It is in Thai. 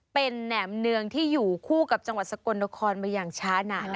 เป็นแหนมเนืองที่อยู่คู่กับจังหวัดสกลนครมาอย่างช้านาน